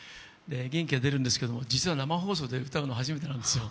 元気が出るんですけど、実は生放送で歌うのは初めてなんですよ。